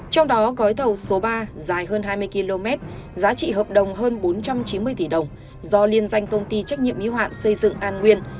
trong đó gói thầu số ba dài hơn hai mươi km giá trị hợp đồng hơn bốn trăm chín mươi tỷ đồng do liên danh công ty trách nhiệm y hoạn xây dựng an nguyên